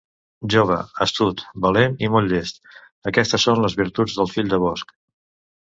Jove, astut, valent i molt llest, aquestes són les virtuts del Fill de Bosc.